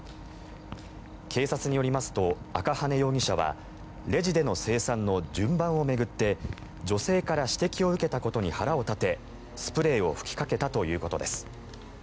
警察によりますと赤羽容疑者はレジでの精算の順番を巡って女性から指摘を受けたことに腹を立てスプレーを吹きかけたということです。